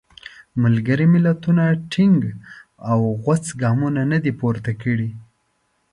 ملګري ملتونو ټینګ او غوڅ ګامونه نه دي پورته کړي.